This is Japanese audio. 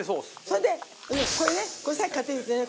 それでこれねさっき買ってきたやつね。